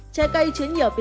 trái cây chứa nhiều vitamin